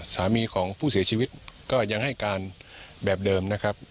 สามีของผู้เสียชีวิตก็ยังให้การแบบเดิมนะครับ